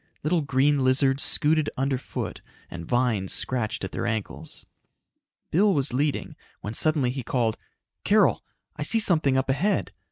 Little green lizards scooted underfoot and vines scratched at their ankles. Bill was leading, when suddenly he called, "Carol, I see something up ahead!